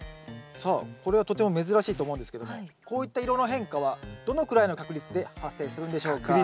さあこれはとても珍しいと思うんですけどもこういった色の変化はどのくらいの確率で発生するんでしょうか？